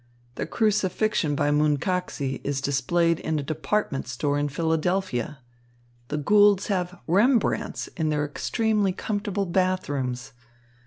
The "Crucifixion" by Munkaczy is displayed in a department store in Philadelphia. The Goulds have Rembrandts in their extremely comfortable bathrooms.